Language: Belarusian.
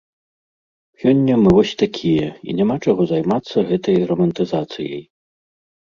Сёння мы вось такія, і няма чаго займацца гэтай рамантызацыяй.